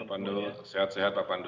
pandu sehat sehat pak pandu